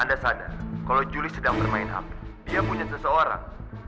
anda sadar kalau julie sedang bermain hp dia punya seseorang